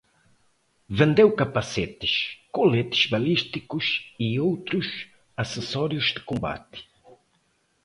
Vendeu capacetes, coletes balísticos e outros acessórios de combate